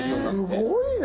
すごいね！